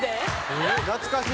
懐かしい！